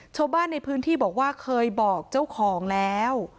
ชาวบ้านในพื้นที่บอกว่าเคยบอกเจ้าของแล้ว